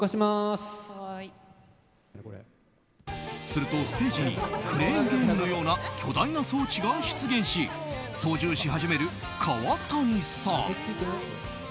するとステージにクレーンゲームのような巨大な装置が出現し操縦し始める、川谷さん。